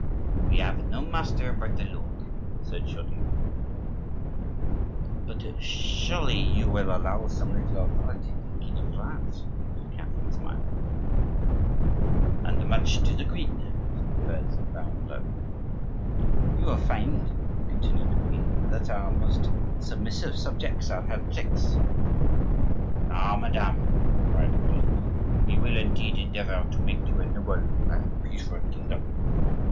"We have no master but the Lord," said Chaudieu. "But surely you will allow some little authority to the king of France?" said Catherine, smiling. "And much to the queen," said de Beze, bowing low. "You will find," continued the queen, "that our most submissive subjects are heretics." "Ah, madame!" cried Coligny, "we will indeed endeavor to make you a noble and peaceful kingdom!